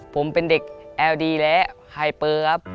ผมเป็นเด็กแอลดีและไฮเปอร์ครับ